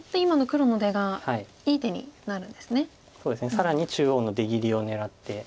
更に中央の出切りを狙って。